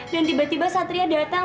dan tiba tiba satria datang